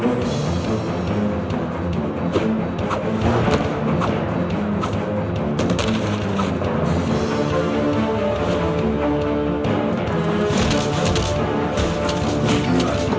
dan disekali daerahmu ia semakin banyak